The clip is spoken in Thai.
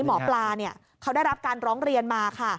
หมอปลาเขาได้รับการร้องเรียนมาค่ะ